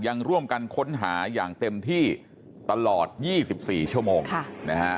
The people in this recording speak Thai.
ยังร่วมกันค้นหาอย่างเต็มที่ตลอด๒๔ชั่วโมงนะฮะ